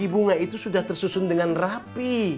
bunga itu sudah tersusun dengan rapi